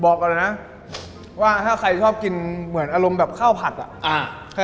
บอกก่อนเลยนะว่าถ้าใครชอบกินเหมือนอารมณ์แบบข้าวผัดอ่ะ